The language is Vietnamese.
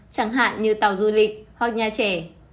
chẳng hạn như tàu du lịch hoặc nhà trẻ